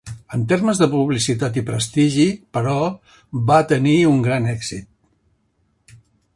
En termes de publicitat i prestigi, però, va tenir un gran èxit.